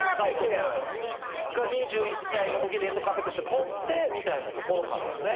２１歳のときレッドカーペット賞取ってみたいなところからです。